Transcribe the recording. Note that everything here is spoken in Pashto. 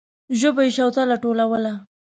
ژبو يې شوتله ټولوله.